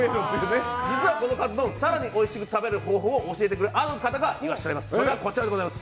実はこのカツ丼更においしく食べる方法を教えてくれたある方がいらっしゃいます。